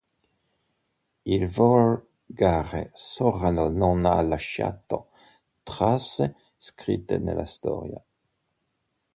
Il volgare sorano non ha lasciato tracce scritte nella storia.